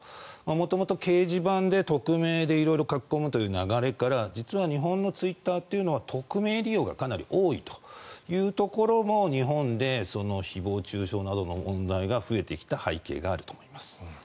元々、掲示板で匿名で色々書き込むという流れから実は日本のツイッターというのは匿名利用がかなり多いというところも日本で誹謗・中傷などの問題が増えてきた背景があると思います。